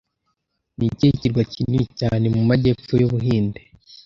Ni ikihe kirwa kinini cyane mu majyepfo y’Ubuhinde